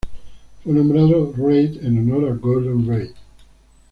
Fue nombrado Reid en honor a Gordon Reid.